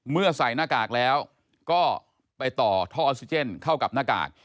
ใส่หน้ากากแล้วก็ไปต่อท่อออกซิเจนเข้ากับหน้ากาก